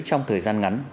trong thời gian ngắn